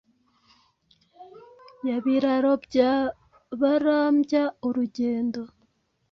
Ya Biraro bya Barambya-urugendo.